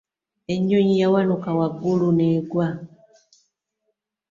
Ennyonyi yawanuka wagulu n'egwa.